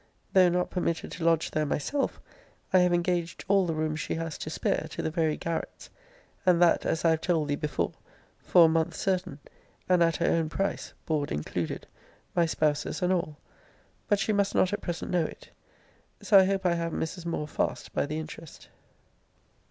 Though not permitted to lodge there myself, I have engaged all the rooms she has to spare, to the very garrets; and that, as I have told thee before, for a month certain, and at her own price, board included; my spouse's and all: but she must not at present know it. So I hope I have Mrs. Moore fast by the interest.